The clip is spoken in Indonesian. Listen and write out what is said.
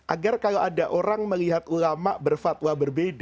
agar kalau ada orang melihat ulama berfatwa berbeda